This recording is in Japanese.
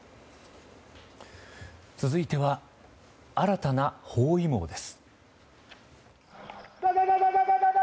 続いては新たな包囲網です。